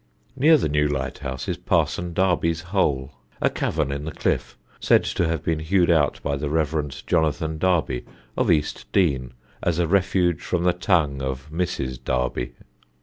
Near the new lighthouse is Parson Darby's Hole a cavern in the cliff said to have been hewed out by the Rev. Jonathan Darby of East Dean as a refuge from the tongue of Mrs. Darby.